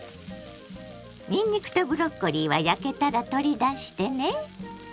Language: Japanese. にんにくとブロッコリーは焼けたら取り出してね。